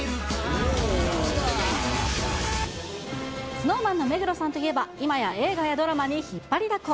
ＳｎｏｗＭａｎの目黒さんといえば、今や映画やドラマに引っ張りだこ。